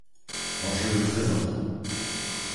L’enjeu est très important.